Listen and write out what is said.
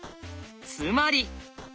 つまり。